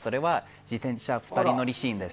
自転車２人乗りシーンです。